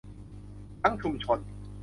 ทั้งชุมชน